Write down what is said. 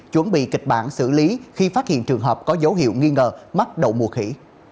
chuẩn bị kịch bản xử lý khi phát hiện trường hợp có dấu hiệu nghi ngờ mắc đậu mùa khỉ